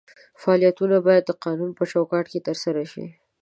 فعالیتونه باید د قانون په چوکاټ کې ترسره شي.